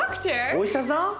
お医者さん？